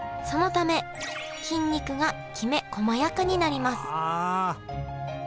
そのため筋肉がきめこまやかになります。